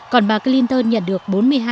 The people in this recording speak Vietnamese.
còn bà clinton nhận được bốn mươi hai sáu